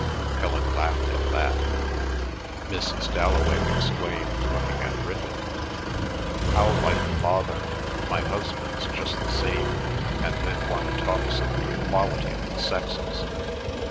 Helen laughed at that. Mrs. Dalloway exclaimed, looking at Ridley: "How like a father! My husband's just the same. And then one talks of the equality of the sexes!"